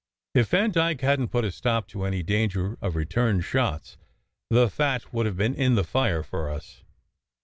If Vandyke hadn t put a stop to any danger of return shots, the fat would have been in the fire for us.